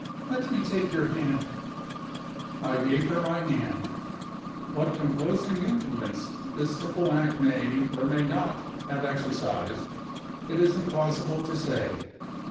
"Let me take your hand." I gave her my hand. What composing influence this simple act may, or may not, have exercised, it is impossible to say.